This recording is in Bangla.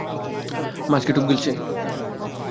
মাছ কি টোপ গিলছে?